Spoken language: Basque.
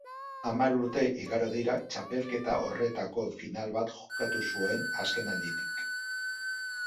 Hamar urte igaro dira txapelketa horretako final bat jokatu zuen azken alditik.